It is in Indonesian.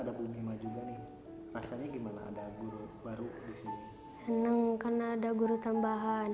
berhubungan juga nih rasanya gimana ada guru baru disini seneng karena ada guru tambahan